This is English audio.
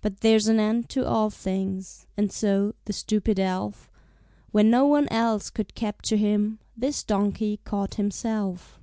But there's an end to all things, And so, the stupid elf, When no one else could capture him This donkey caught himself.